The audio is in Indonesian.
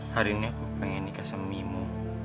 hari ini aku pengen nikah sama mimu